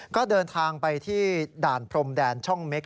ก็เดินทางไปที่ด่านพรมแดนช่องเม็ก